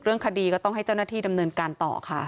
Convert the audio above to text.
เรื่องคดีก็ต้องให้เจ้าหน้าที่ดำเนินการต่อค่ะ